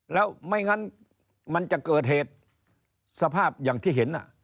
แล้วไม่งั้นมันจะเกิดเหตุสภาพอย่างที่เห็น